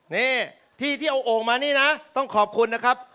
นี่ที่ที่เอาโอ่งมานี่นะต้องขอบคุณนะครับ